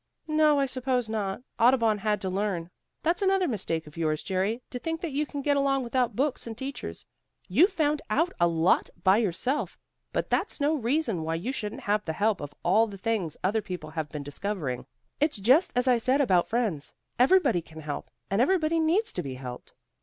"No, I suppose not. Audubon had to learn. That's another mistake of yours, Jerry, to think that you can get along without books and teachers. You've found out a lot by yourself, but that's no reason why you shouldn't have the help of all the things other people have been discovering. It's just as I said about friends. Everybody can help, and everybody needs to be helped."